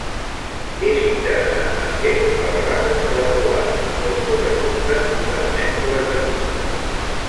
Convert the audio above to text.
És interessant també el ràfec de la teulada on sobresurten unes mènsules de fusta.